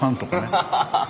ハハハハハ。